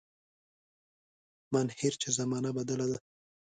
مانهیر چي زمانه بدله ده